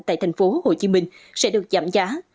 tại tp hcm sẽ được giảm giá